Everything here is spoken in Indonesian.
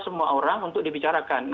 semua orang untuk dibicarakan